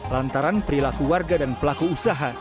lantaran perilaku warga dan pelaku usaha